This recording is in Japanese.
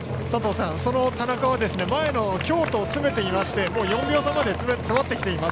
その田中は前の京都を詰めていまして４秒差まで詰まっています。